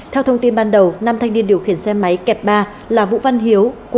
theo thông tin ban đầu năm thanh niên điều khiển xe máy kẹp ba là vũ văn hiếu